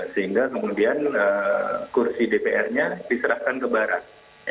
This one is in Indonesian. sehingga kemudian kursi dpr nya diserahkan ke barat